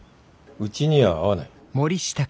うちには合わない。